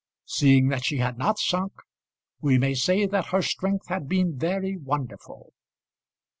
Seeing that she had not sunk, we may say that her strength had been very wonderful.